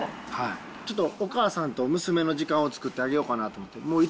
ちょっとお母さんと娘の時間を作ってあげようかなと思って。